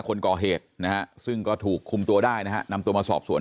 คนก่อเหตุนะฮะซึ่งก็ถูกคุมตัวได้นะฮะนำตัวมาสอบสวน